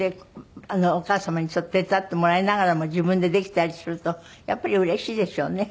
お母様に手伝ってもらいながらも自分でできたりするとやっぱりうれしいでしょうね。